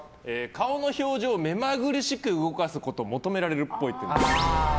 顔の表情をめまぐるしく動かすことを求められるっぽい。